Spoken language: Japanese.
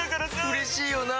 うれしいよなぁ。